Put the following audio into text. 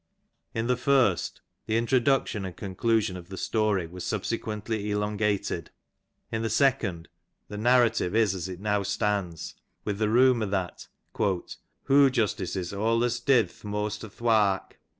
In the first the introduction and conclusion of the story were sub sequently elongated ; in the second the narrative is as it now stands, with the rumour that ^' hoo justices awlus did th moast o^th^ wark.